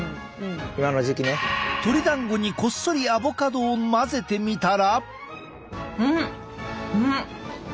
鶏だんごにこっそりアボカドを混ぜてみたら。